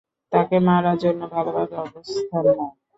তাকে মারার জন্য ভালোভাবে অবস্থান নাও।